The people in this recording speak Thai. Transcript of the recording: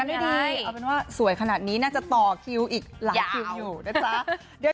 ไม่ดีเอาเป็นว่าสวยขนาดนี้น่าจะต่อคิวอีกหลายคิวอยู่นะจ๊ะ